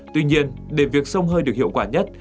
tuy nhiên để việc sông hơi được hiệu quả nhất